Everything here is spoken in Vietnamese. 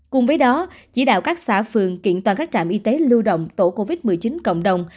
cùng với đó chỉ đạo các xã phường kiện toàn các trạm y tế lưu động tổ covid một mươi chín cộng đồng